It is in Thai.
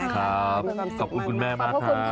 ขอบคุณคุณแม่มากลอนโทร